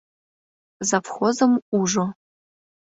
— Завхозым ужо.